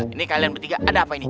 ini kalian bertiga ada apa ini